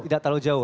tidak terlalu jauh